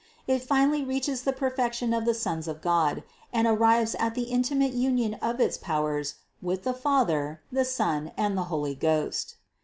It finally reaches the perfection of the sons of God and arrives at the intimate union of its powers with the Father, the Son and the Holy Ghost.